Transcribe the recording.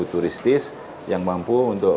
turistis yang mampu untuk